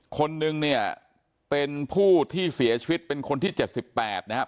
คนนึงเนี่ยเป็นผู้ที่เสียชีวิตเป็นคนที่๗๘นะครับ